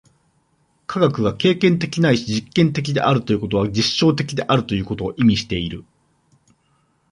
科学が経験的ないし実験的であるということは、実証的であることを意味している。